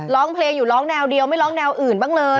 ร้องเพลงอยู่ร้องแนวเดียวไม่ร้องแนวอื่นบ้างเลย